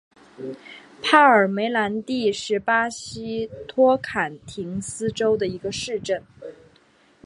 帕尔梅兰蒂是巴西托坎廷斯州的一个市镇。